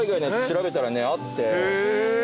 調べたらあって。